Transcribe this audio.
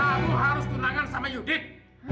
kamu harus tunangan sama yudik